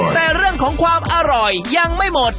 แต่เรื่องของความอร่อยยังไม่หมด